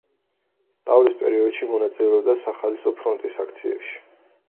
სწავლის პერიოდში მონაწილეობდა სახალხო ფრონტის აქციებში.